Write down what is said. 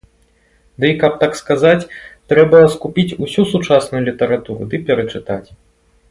Дый каб так сказаць, трэба скупіць усю сучасную літаратуру ды перачытаць.